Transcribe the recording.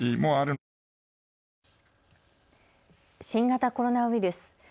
新型コロナウイルス。